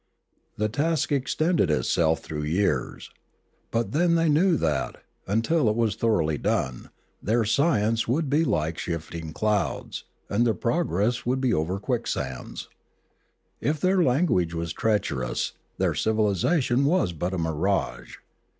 The task extended itself through years. But then they knew that, until it was thoroughly done, their science would be like shifting clouds, and their progress would be over quicksands. If their language was treacherous, their civilisation was but a mirage.